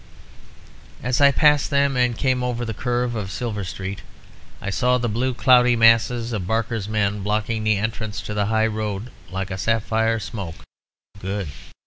"As I passed them and came over the curve of Silver Street, I saw the blue cloudy masses of Barker's men blocking the entrance to the high road like a sapphire smoke (good).